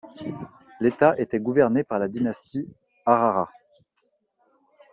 L'État était gouverné par la dynastie Harharah.